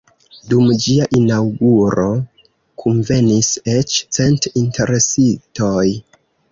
Dum ĝia inaŭguro kunvenis eĉ cent interesitoj.